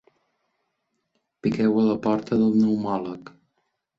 Piqueu a la porta del neumòleg.